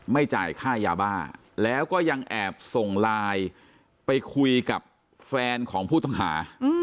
จ่ายค่ายาบ้าแล้วก็ยังแอบส่งไลน์ไปคุยกับแฟนของผู้ต้องหา